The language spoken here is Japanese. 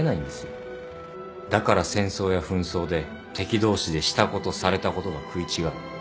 だから戦争や紛争で敵同士でしたことされたことが食い違う。